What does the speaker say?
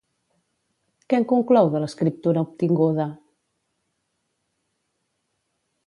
Què en conclou de l'escriptura obtinguda?